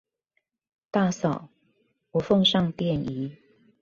大嫂，我奉上奠儀